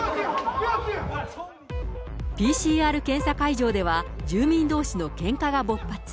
ＰＣＲ検査会場では、住民どうしのけんかが勃発。